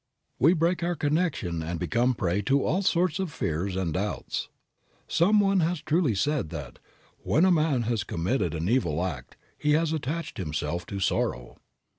We break our connection and become a prey to all sorts of fears and doubts. Some one has truly said that "when a man has committed an evil act he has attached himself to sorrow."